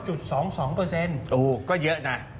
อู้ก็เยอะนะ